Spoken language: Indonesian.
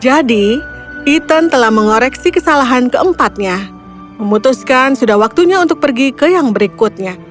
jadi ethan telah mengoreksi kesalahan keempatnya memutuskan sudah waktunya untuk pergi ke yang berikutnya